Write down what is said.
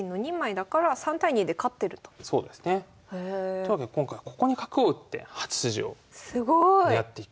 というわけで今回ここに角を打って８筋を狙っていく。